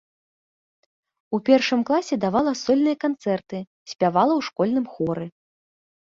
У першым класе давала сольныя канцэрты, спявала ў школьным хоры.